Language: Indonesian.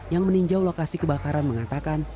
yang meninjau lokasi kebakaran mengatakan